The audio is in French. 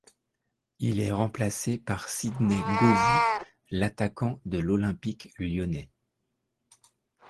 Il est remplacé par Sidney Govou, l'attaquant de l'Olympique lyonnais.